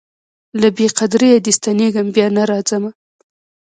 له بې قدریه دي ستنېږمه بیا نه راځمه